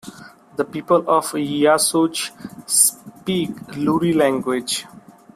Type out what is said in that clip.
The people of Yasuj speak Luri Language.